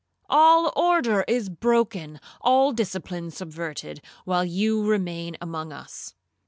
All order is broken, all discipline subverted, while you remain among us.